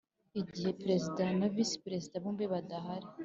Igihe Perezida na Visi Perezida bombi badahari